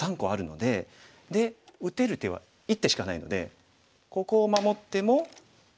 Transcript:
で打てる手は１手しかないのでここを守っても切られてしまう。